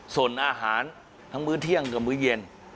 ส่วนอาหารทั้งมื้อเที่ยงกับมื้อเย็น